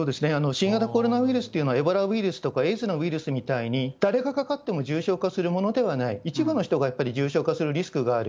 新型コロナウイルスっていうのは、エボラウイルスとか、エイズのウイルスみたいに誰がかかっても重症化するものではない、一部の人がやっぱり重症化するリスクがある。